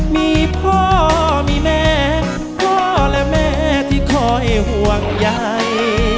มีพ่อมีแม่พ่อและแม่ที่คอยห่วงใย